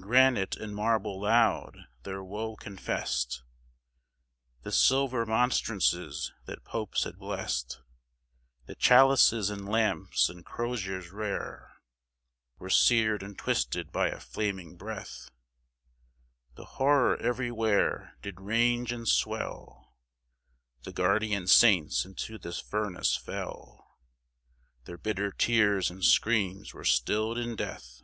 Granite and marble loud their woe confessed, The silver monstrances that Popes had blessed, The chalices and lamps and crosiers rare Were seared and twisted by a flaming breath; The horror everywhere did range and swell, The guardian Saints into this furnace fell, Their bitter tears and screams were stilled in death.